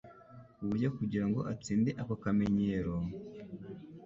ku buryo kugira ngo atsinde ako kamenyero,